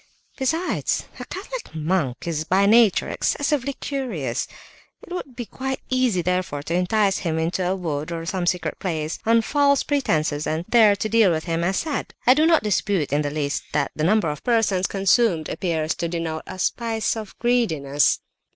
"Besides, a Catholic monk is by nature excessively curious; it would be quite easy therefore to entice him into a wood, or some secret place, on false pretences, and there to deal with him as said. But I do not dispute in the least that the number of persons consumed appears to denote a spice of greediness."